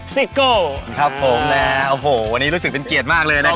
สุดท้ายกับซิโกครับผมแล้วโอ้โหวันนี้รู้สึกเป็นเกียรติมากเลยนะครับ